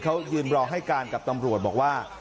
เขายืนรอให้การกับตำรวจบอกว่า